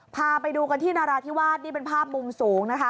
พาไปดูกันที่นราธิวาสนี่เป็นภาพมุมสูงนะคะ